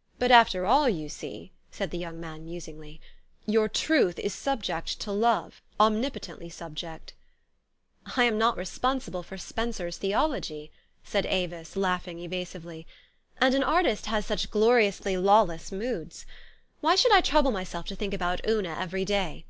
" But, after all, you see,'* said the young man musingly, " your Truth is subject to Love, om nipotently subject .'' "I am not responsible for Spenser's theology," said Avis, laughing evasively; "and an artist has such gloriously lawless moods ! Why should I trouble myself to think about Una every day?